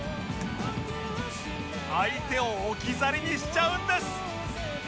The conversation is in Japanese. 相手を置き去りにしちゃうんです